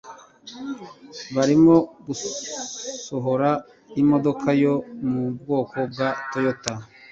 barimo gusohora imodoka yo mu bwoko bwa Toyota